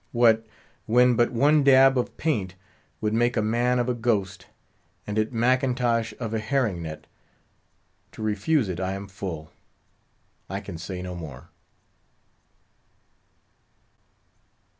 What! when but one dab of paint would make a man of a ghost, and it Mackintosh of a herring net—to refuse it I am full. I can say no more.